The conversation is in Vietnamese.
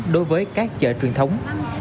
đối với các chợ truyền thống